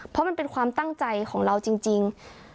เพราะมันเป็นความตั้งใจของเราจริง